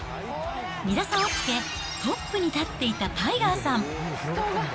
２打差をつけ、トップに立っていたタイガーさん。